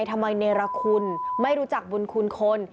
ทำไมเนรคุณไม่รู้จักบุญคุณคน